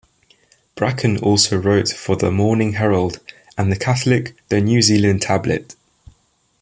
Bracken also wrote for the "Morning Herald" and the Catholic "The New Zealand Tablet".